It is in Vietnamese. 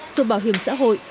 số bảo hiểm xã hội